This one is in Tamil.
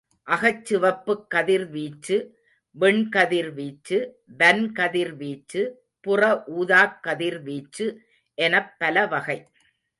அகச் சிவப்புக் கதிர்வீச்சு, விண்கதிர் வீச்சு, வன் கதிர் வீச்சு, புற ஊதாக் கதிர்வீச்சு எனப் பலவகை.